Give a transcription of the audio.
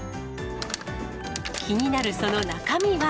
気になるその中身は。